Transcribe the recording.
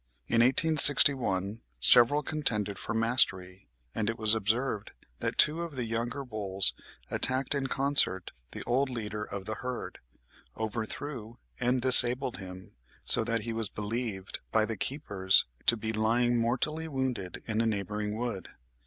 In 1861 several contended for mastery; and it was observed that two of the younger bulls attacked in concert the old leader of the herd, overthrew and disabled him, so that he was believed by the keepers to be lying mortally wounded in a neighbouring wood.